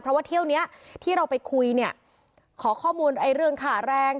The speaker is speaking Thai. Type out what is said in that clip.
เพราะว่าเที่ยวนี้ที่เราไปคุยเนี่ยขอข้อมูลไอ้เรื่องขาแรง